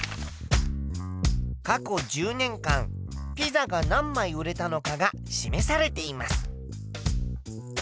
過去１０年間ピザが何枚売れたのかが示されています。